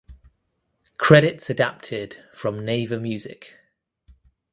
Credits adapted from Naver Music.